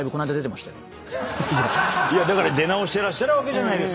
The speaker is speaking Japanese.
出直してらっしゃるわけじゃないですか。